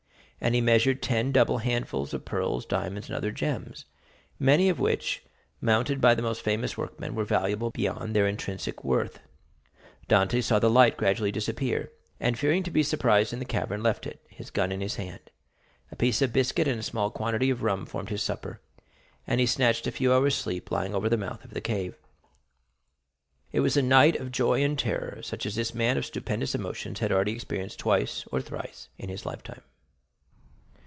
And he measured ten double handfuls of pearls, diamonds, and other gems, many of which, mounted by the most famous workmen, were valuable beyond their intrinsic worth. Dantès saw the light gradually disappear, and fearing to be surprised in the cavern, left it, his gun in his hand. A piece of biscuit and a small quantity of rum formed his supper, and he snatched a few hours' sleep, lying over the mouth of the cave. It was a night of joy and terror, such as this man of stupendous emotions had already experienced twice or thrice in his lifetime.